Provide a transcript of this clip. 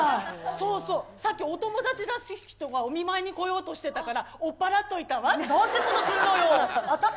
そうそう、さっきお友達らしい人がお見舞いに来ようとしていたから、追っ払なんでそんなことするのよ。